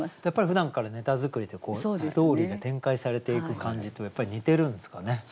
やっぱりふだんからネタ作りでこうストーリーが展開されていく感じとやっぱり似てるんですかね。